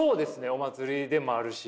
お祭りでもあるし。